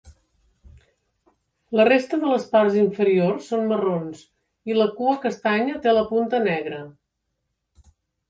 La resta de les parts inferiors són marrons i la cua castanya té la punta negra.